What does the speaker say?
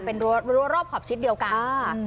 เป็นรั้วรอบขอบชิดเดียวกัน